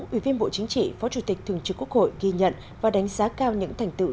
ủy viên bộ chính trị phó chủ tịch thường trực quốc hội ghi nhận và đánh giá cao những thành tựu